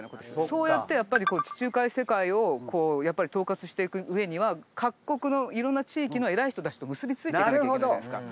そうやってやっぱり地中海世界を統括していく上には各国のいろんな地域の偉い人たちと結びついていかなきゃいけないじゃないですか。